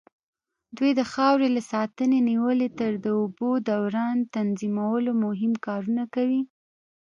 دوی د خاورې له ساتنې نيولې تر د اوبو دوران تنظيمولو مهم کارونه کوي.